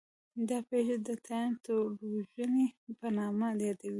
دا پېښه د 'تیان ټولوژنې' په نامه یادوي.